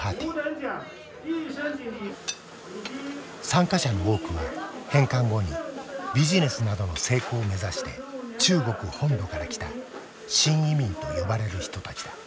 参加者の多くは返還後にビジネスなどの成功を目指して中国本土から来た新移民と呼ばれる人たちだ。